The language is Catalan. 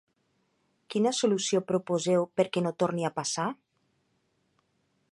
Quina solució proposeu perquè no torni a passar?